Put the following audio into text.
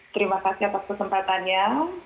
terima kasih atas kesempatannya